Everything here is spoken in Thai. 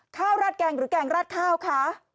ราดแกงหรือแกงราดข้าวคะ